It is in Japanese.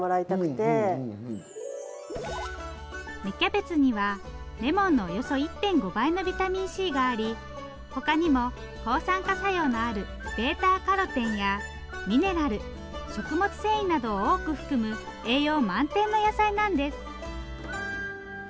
芽キャベツにはレモンのおよそ１．５倍のビタミンＣがあり他にも抗酸化作用のあるベータカロテンやミネラル食物繊維などを多く含む栄養満点の野菜なんです。